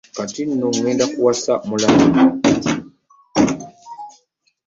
Kati nno ŋŋenda kuwasa mulala.